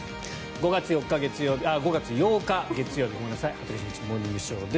５月８日、月曜日「羽鳥慎一モーニングショー」。